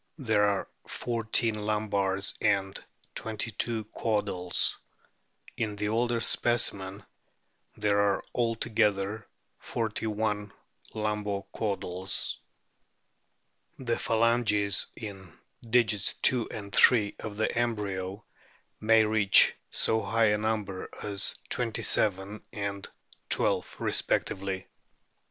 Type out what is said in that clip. There are fourteen lumbars and twenty two caudals. In the older specimen there are altogether forty one lumbo caudals. The phalanges in digits II and III of the embryo may reach so high a number as twenty seven and twelve respectively.